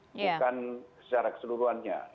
bukan secara keseluruhannya